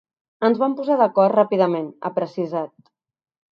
Ens vam posar d’acord ràpidament, ha precisat.